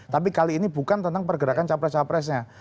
tapi kali ini bukan tentang pergerakan capres capresnya